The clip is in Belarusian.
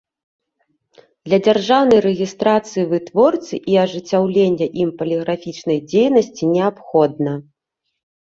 Для дзяржаўнай рэгiстрацыi вытворцы i ажыццяўлення iм палiграфiчнай дзейнасцi неабходна.